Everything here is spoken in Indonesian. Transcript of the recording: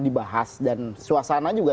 dibahas dan suasana juga